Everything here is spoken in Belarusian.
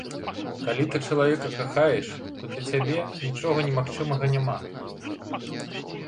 Калі ты чалавека кахаеш, то для цябе нічога немагчымага няма.